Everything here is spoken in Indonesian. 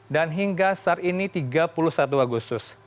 dan hingga saat ini tiga puluh satu agustus